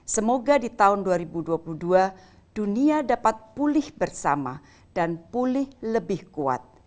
semoga di tahun dua ribu dua puluh dua dunia dapat pulih bersama dan pulih lebih kuat